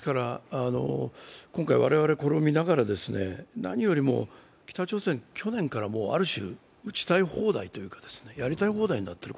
今回、我々はこれを見ながら何よりも、北朝鮮去年からある種、撃ちたい放題、やりたい放題になっている。